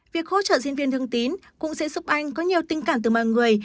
việc hỗ trợ diễn viên thương tín cũng sẽ giúp anh có nhiều tình cảm từ mọi người